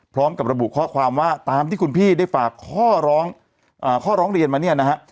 พร้อมกับระบุข้อความว่าตามที่คุณพี่ได้ฝากข้อร้องข้อร้องเรียนมาเนี่ยนะฮะ